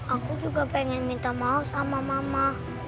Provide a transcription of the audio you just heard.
aku juga pengen minta maaf sama mama